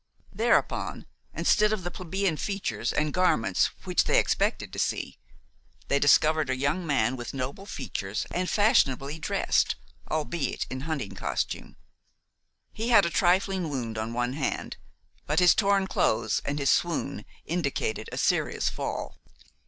Thereupon, instead of the plebeian features and garments which they expected to see, they discovered a young man with noble features and fashionably dressed, albeit in hunting costume. He had a trifling wound on one hand, but his torn clothes and his swoon indicated a serious fall.